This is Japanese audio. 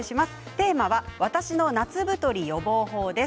テーマは私の夏太り予防法です。